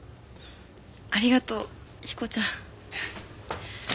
ありがとう彦ちゃん。